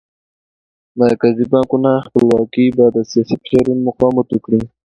مرکزي بانکونو خپلواکي به د سیاسي فشارونو مقاومت وکړي.